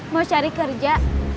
mau cari kerja